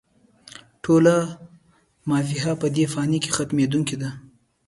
ټوله «ما فيها» په دې فاني کې ختمېدونکې ده